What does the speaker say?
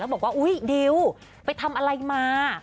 แล้วบอกว่าดิวไปทำอะไรมา